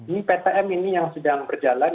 ini ptm ini yang sedang berjalan